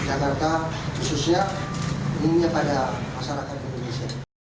jakarta khususnya umumnya pada masyarakat indonesia